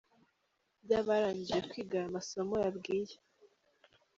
ry’abarangije kwiga aya masomo yabwiye.